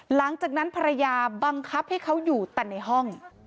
หลังจากนั้นภรรยาบังคับให้เขาอยู่แต่ในห้อง